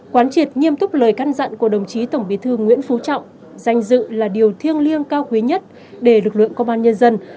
quán triệt nghiêm túc lời căn dặn của đồng chí tổng bí thư nguyễn phú trọng danh dự là điều thiêng liêng cao quý nhất để lực lượng công an nhân dân